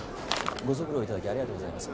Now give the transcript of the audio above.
ご足労いただきありがとうございます。